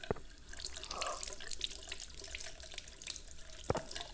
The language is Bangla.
ওই ঘটনায় বাড়ির মালিকের স্ত্রী সেলিনা আক্তার বিষয়টি মীমাংসা করতে যান।